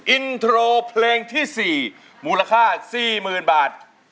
อินโทรเพลงที่๔มูลค่า๔๐๐๐บาท